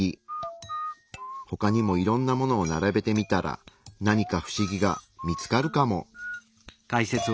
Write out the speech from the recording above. ほかにもいろんなものをならべてみたら何かフシギが見つかるかも。